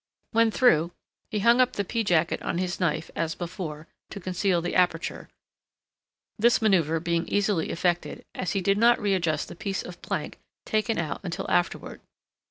When through, he hung up the pea jacket on his knife, as before, to conceal the aperture—this manoeuvre being easily effected, as he did not readjust the piece of plank taken out until afterward.